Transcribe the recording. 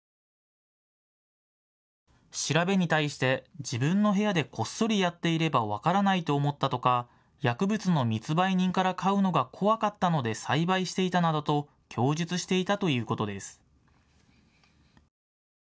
調べに対して、自分の部屋でこっそりやっていれば分からないと思ったとか薬物の密売人から買うのが怖かったので栽培していたなどと供述していたということです。